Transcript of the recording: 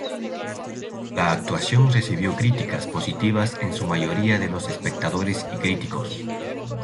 La actuación recibió críticas positivas en su mayoría de los espectadores y críticos.